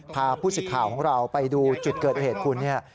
ผู้สิทธิ์ข่าวของเราไปดูจุดเกิดเหตุคุณเนี่ย